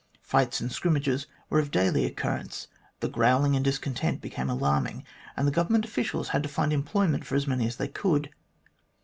Fights and scrimmages were of daily occurrence ; the growling and discontent became alarming, and the Government officials had to find employment for as many as they could.